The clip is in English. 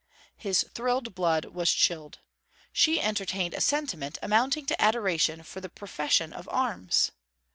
His thrilled blood was chilled. She entertained a sentiment amounting to adoration for the profession of arms!